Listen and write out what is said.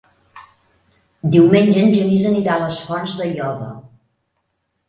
Diumenge en Genís anirà a les Fonts d'Aiòder.